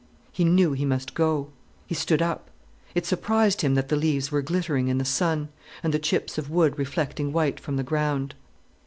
He knew he must go. He stood up. It surprised him that the leaves were glittering in the sun, and the chips of wood reflecting white from the ground.